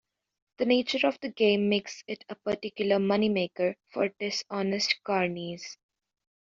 The nature of the game makes it a particular money-maker for dishonest carnies.